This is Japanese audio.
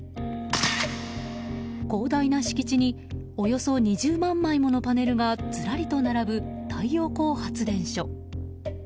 広大な敷地におよそ２０万枚ものパネルがずらりと並ぶ太陽光発電所。